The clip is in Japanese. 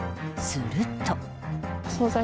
すると。